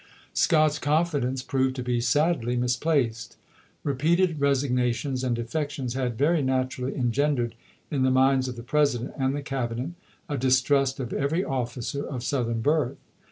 Scott's confidence proved to be sadly misplaced. Repeated resignations and defections had very nat urally engendered in the minds of the President and the Cabinet a distrust of every officer of South ern birth.